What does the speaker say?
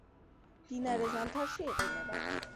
მდინარე ზამთარში იყინება.